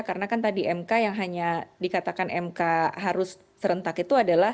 karena kan tadi mk yang hanya dikatakan mk harus serentak itu adalah